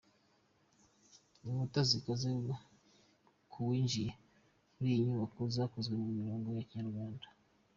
inkuta z’ikaze ku winjiye muri iyi nyubako zikozwe mu migongo yakinyarwanda.